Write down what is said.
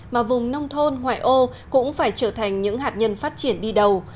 mà vùng nông thôn ngoại ô cũng phải trở thành những hạt nhân phát triển đi đầu